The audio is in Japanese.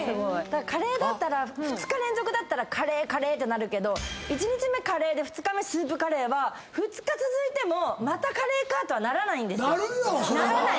カレーだったら２日連続だったらカレーカレーってなるけど１日目カレーで２日目スープカレーは２日続いても。ならないならない。